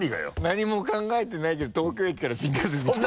何も考えてないけど東京駅から新幹線で来たんだろ？